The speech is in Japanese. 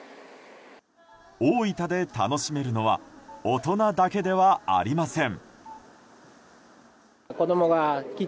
大分で楽しめるのは大人だけではありません。